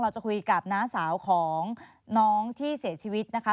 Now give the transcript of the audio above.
เราจะคุยกับน้าสาวของน้องที่เสียชีวิตนะคะ